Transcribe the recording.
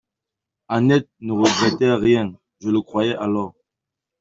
Annette ne regrettait rien : je le croyais alors.